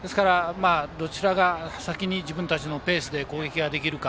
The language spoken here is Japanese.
どちらが先に自分たちのペースで攻撃ができるか。